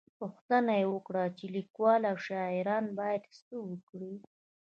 _پوښتنه يې وکړه چې ليکوال او شاعران بايد څه وکړي؟